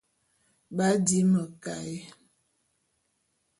B'adi mekaé.